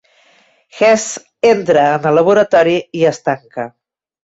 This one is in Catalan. Hesse entra en el laboratori i es tanca.